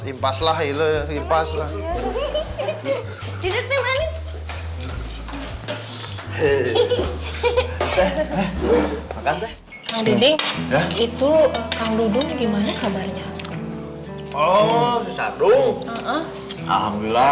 impaslah iler impaslah